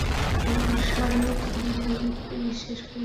আমরা সরাইখানার মালিককে বিশ্বাস করতে দেব যে এটা তুমি করেছো।